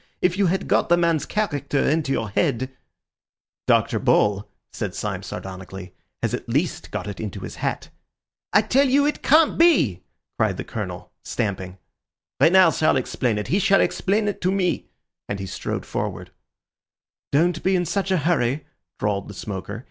If you had got the man's character into your head—" "Dr. Bull," said Syme sardonically, "has at least got it into his hat." "I tell you it can't be!" cried the Colonel, stamping. "Renard shall explain it. He shall explain it to me," and he strode forward. "Don't be in such a hurry," drawled the smoker.